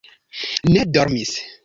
ne dormis.